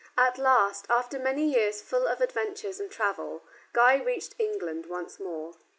At last, after many years full of adventures and travel, Guy reached England once more.